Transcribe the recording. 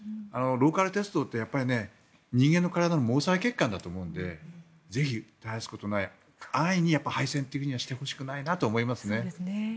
ローカル鉄道って人間の体の毛細血管だと思うのでぜひ、絶やすことなく安易に廃線とはしてほしくないと思いますね。